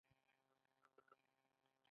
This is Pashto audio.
والیبال څو لوبغاړي لري؟